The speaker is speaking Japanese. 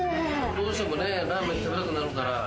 どうしてもラーメンが食べたくなるから。